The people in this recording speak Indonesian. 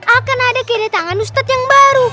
akan ada kedatangan ustadz yang baru